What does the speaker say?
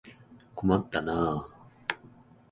困ったなあ。